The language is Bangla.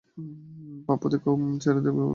পাপ্পু দেখ, ওম আমাকে ছেড়ে আবার চলে গেছে, ওকে থামা।